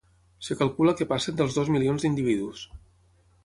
Es calcula que passen dels dos milions d'individus.